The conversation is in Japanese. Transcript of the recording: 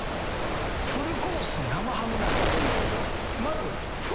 フルコース生ハムなんすよ。